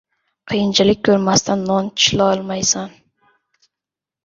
• Qiyinchilik ko‘rmasdan non tishlolmaysan.